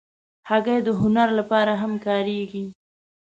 هګۍ د هنر لپاره هم کارېږي.